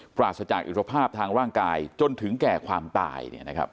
ปราศจากอิสรภาพทางร่างกายจนถึงแก่ความตาย